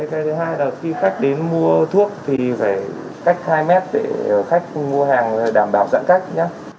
cái thứ hai là khi khách đến mua thuốc thì phải cách hai mét để khách mua hàng đảm bảo giãn cách nhá